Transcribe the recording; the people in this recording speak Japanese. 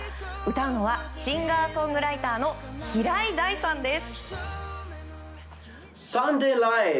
歌うのはシンガーソングライターの平井大さんです。